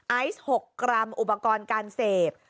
ไอซ์๖กรัมอุปกรณ์การเสพ